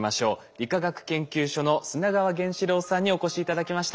理化学研究所の砂川玄志郎さんにお越し頂きました。